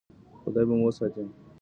خدای به مو وساتي.